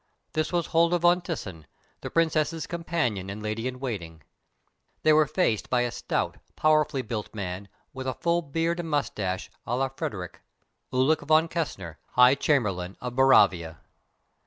This was Hulda von Tyssen, the Princess's companion and lady in waiting. They were faced by a stout, powerfully built man with a full beard and moustache à la Friedrich, Ulik von Kessner, High Chamberlain of Boravia.